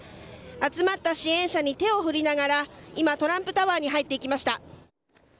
集まった支援者に手を振りながら今、トランプタワーに入っていきました。